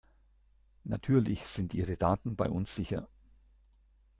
Natürlich sind ihre Daten bei uns sicher!